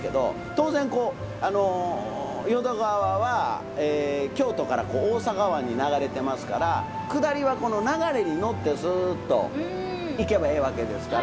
当然こう淀川は京都から大阪湾に流れてますから下りはこう流れに乗ってすっと行けばええわけですから。